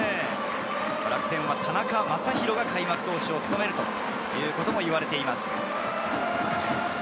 楽天は田中将大が開幕投手を務めるということを言われています。